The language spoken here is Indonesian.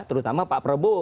terutama pak prabowo